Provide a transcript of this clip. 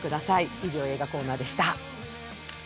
以上映画コーナーでした。